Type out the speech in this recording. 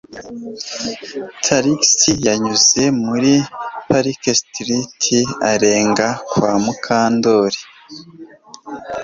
Trix yanyuze muri Park Street arenga kwa Mukandoli